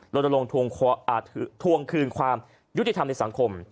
ลงทวงคืนความยุติธรรมในสังคม